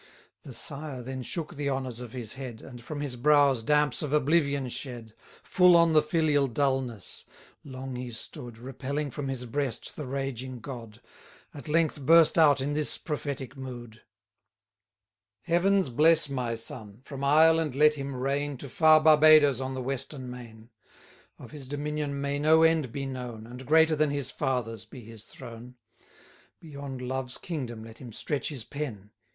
The sire then shook the honours of his head, And from his brows damps of oblivion shed, Full on the filial dulness: long he stood, Repelling from his breast the raging god; At length burst out in this prophetic mood: Heavens bless my son, from Ireland let him reign To far Barbadoes on the western main; 140 Of his dominion may no end be known, And greater than his father's be his throne; Beyond Love's kingdom let him stretch his pen!